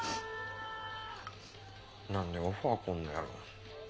何でオファー来んのやろ。